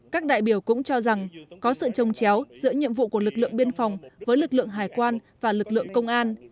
các đại biểu cũng cho rằng có sự trông chéo giữa nhiệm vụ của lực lượng biên phòng với lực lượng hải quan và lực lượng công an